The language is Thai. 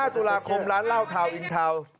ตุลาคมร้านเหล้าทาวนอินทาวน์